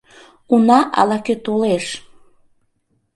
Уна, ала-кӧ толеш.